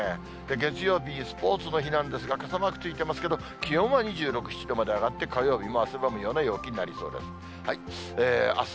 月曜日、スポーツの日なんですが、傘マークついてますけど、気温は２６、７度まで上がって、火曜日も汗ばむような陽気になりそうです。